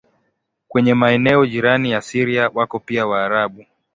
Kwenye maeneo jirani na Syria wako pia Waarabu.